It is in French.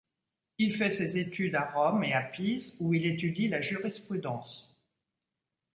Il fait ses études à Rome et à Pise où il étudie la jurisprudence.